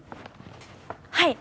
はい。